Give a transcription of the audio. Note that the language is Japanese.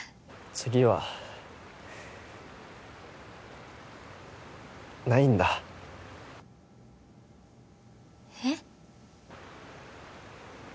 次はないんだえっ？